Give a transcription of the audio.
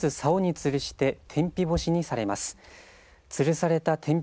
つるされた天日